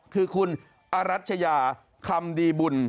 คือคุณอรัชยาคำดีบุญ